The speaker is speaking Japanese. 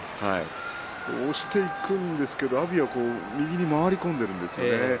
押していくんですが阿炎は右に回り込んでいくんです。